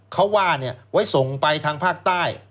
เขาว่าไว้ส่งไปทางภาคใต้